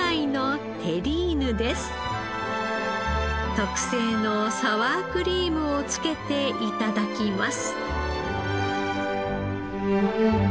特製のサワークリームをつけて頂きます。